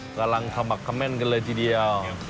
กำลังขมักคำแม่นกันเลยทีเดียว